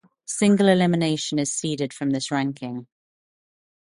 Single elimination is seeded from this ranking.